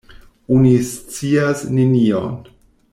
Oni scias nenion.